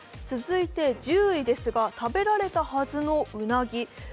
続いて１０位ですが、食べられたはずのうなぎ。